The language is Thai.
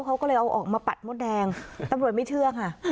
เขาก็เลยเอาออกมาปัดมดแดงตำรวจไม่เชื่อค่ะ